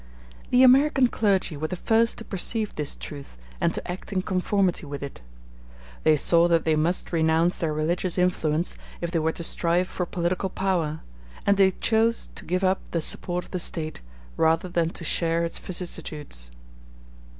The American clergy were the first to perceive this truth, and to act in conformity with it. They saw that they must renounce their religious influence, if they were to strive for political power; and they chose to give up the support of the State, rather than to share its vicissitudes.